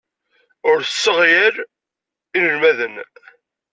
Ur tesseɣyal inelmaden.